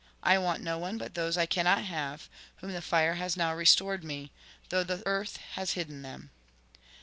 I want no one but those I cannot have, whom the fire has now restored me, though the earth has hidden them.